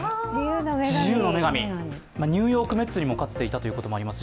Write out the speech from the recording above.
自由の女神、ニューヨーク・メッツにもかつていたということもあります